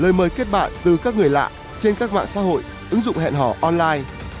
lời mời kết bạn từ các người lạ trên các mạng xã hội ứng dụng hẹn hò online